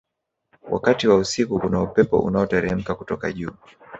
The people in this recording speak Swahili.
wakati wa usiku kuna upepo unaoteremka kutoka juu